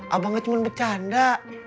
abangnya cuman bercanda